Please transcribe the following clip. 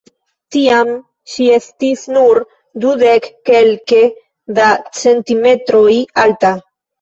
Tiam ŝi estis nur dudek kelke da centimetroj alta.